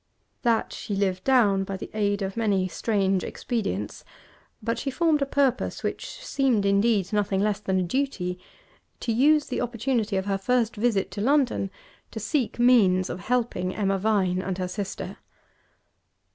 That she lived down by the aid of many strange expedients; but she formed a purpose, which seemed indeed nothing less than a duty, to use the opportunity of her first visit to London to seek for means of helping Emma Vine and her sister.